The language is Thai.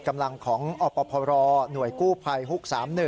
กำลังของอปภรรณ์หน่วยกู้ภัยฮุกส์๓๑